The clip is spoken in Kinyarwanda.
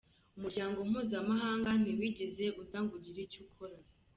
Umuryango Mpuzamahanga ntiwigeze uza ngo ugire icyo ukora.